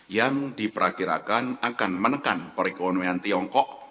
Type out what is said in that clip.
yang diperkirakan akan menekan perekonomian tiongkok